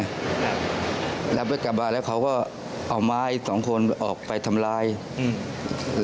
รับรถกลับมาแล้วเขาก็เอาไม้สองคนออกไปทำลายอืม